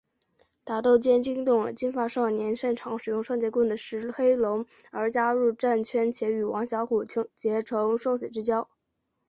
打斗间惊动了金发少年擅长使用双节棍的石黑龙而加入战圈且与王小虎结成生死之交。